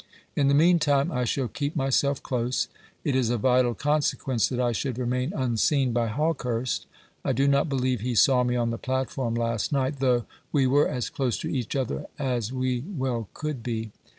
In the meantime I shall keep myself close. It is of vital consequence that I should remain unseen by Hawkehurst. I do not believe he saw me on the platform last night, though we were as close to each other as we well could be.